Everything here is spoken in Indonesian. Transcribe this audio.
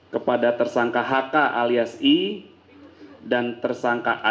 kepada tersangka hk alias i dan tersangka a